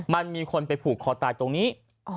มันมีคนไปผูกคอตายตรงนี้